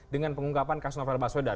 dengan pengungkapan kasus novel baswedan